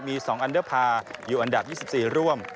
มี๒อันเดอร์พาร์อยู่อันดับ๒๔ร่วม